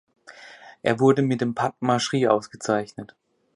Er wurde mit dem Padma Shri ausgezeichnet.